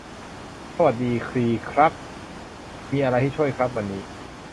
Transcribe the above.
สวัสดีดีครับ มีอะไรให้ช่วยครับวันนี้